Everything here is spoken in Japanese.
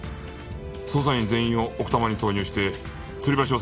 捜査員全員を奥多摩に投入してつり橋を探し出せ。